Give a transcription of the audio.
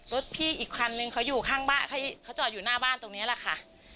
รถพี่อีกคันนึงเขาจอดอยู่หน้าบ้านตรงนี้แหละค่ะ